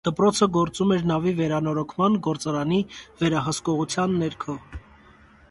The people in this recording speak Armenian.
Դպրոցը գործում էր նավի վերանորոգման գործարանի վերահսկողության ներքո։